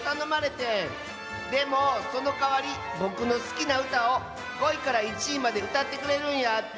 でもそのかわりぼくのすきなうたを５いから１いまでうたってくれるんやて。